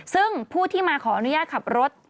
ซึ่งผู้ที่มาขออนุญาตขับรถ